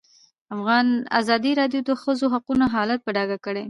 ازادي راډیو د د ښځو حقونه حالت په ډاګه کړی.